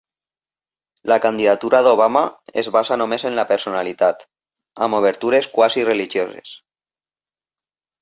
La candidatura d'Obama es basa només en la personalitat, amb obertures quasi religioses.